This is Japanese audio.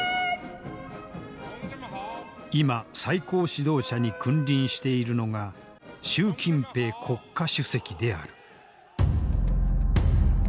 今最高指導者に君臨しているのが習近平国家主席である。